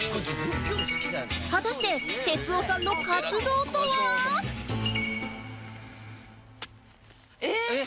果たして哲夫さんの活動とは？えっ！えっ！